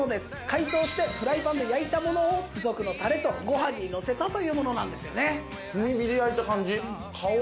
解凍してフライパンで焼いたものを付属のタレとご飯にのせたというものなんですよね。